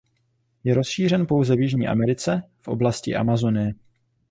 Je rozšířen pouze v Jižní Americe v oblasti Amazonie.